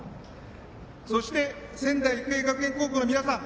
そして仙台育英学園高校の皆さん